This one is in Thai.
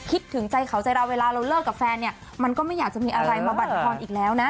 คิดถึงใจเขาใจเราเวลาเราเลิกกับแฟนเนี่ยมันก็ไม่อยากจะมีอะไรมาบรรทอนอีกแล้วนะ